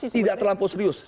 tidak terlampau serius